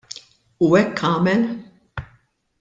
U hekk għamel.